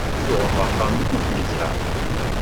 Tuɣem axxam deg Buḥemza?